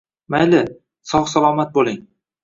Mayli, sog‘-salomat bo‘ling.